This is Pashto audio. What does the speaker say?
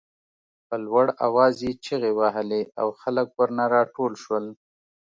په لوړ آواز یې چغې وهلې او خلک ورنه راټول شول.